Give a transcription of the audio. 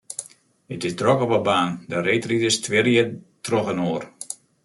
It is drok op 'e baan, de reedriders twirje trochinoar.